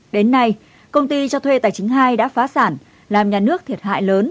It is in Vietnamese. đến nay công ty cho thuê tài chính hai đã phá sản làm nhà nước thiệt hại lớn